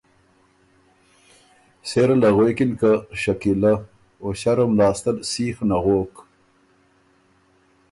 سېره له غوېکِن که ”شکیلۀ“ او ݭرُم لاسته ل سیخ نغوک